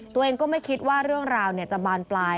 ตัวเองก็ไม่คิดว่าเรื่องราวจะบานปลาย